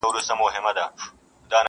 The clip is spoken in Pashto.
انصاف نه دی ترافیک دي هم امام وي,